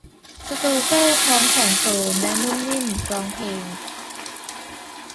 สตูเฟ่พร้อมแสงโสมและนุ่มนิ่มร้องเพลง